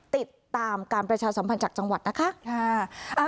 ติดตามการประชาสัมพันธ์จากจังหวัดนะคะ